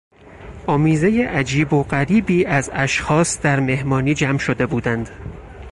آمیزهی عجیب و غریبی از اشخاص در مهمانی جمع شده بودند.